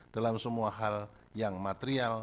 dalam semua hal yang material